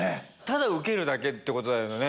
ただ受けるだけってことだよね。